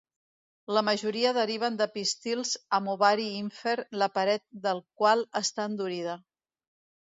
La majoria deriven de pistils amb ovari ínfer la paret del qual està endurida.